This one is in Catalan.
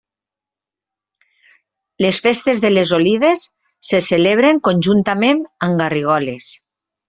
Les festes de les Olives se celebren conjuntament amb Garrigoles.